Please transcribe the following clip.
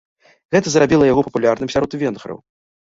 Гэта зрабіла яго папулярным сярод венграў.